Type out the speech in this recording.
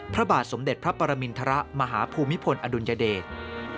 พระบาทสมเด็จพระปรมินทรมาฮภูมิพลอดุลยเดช